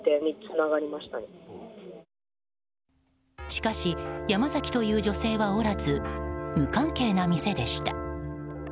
しかしヤマザキという女性はおらず無関係な店でした。